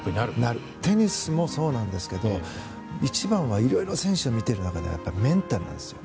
テニスもそうですが一番はいろいろ選手を見ている中でメンタルなんですよ。